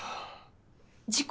事故？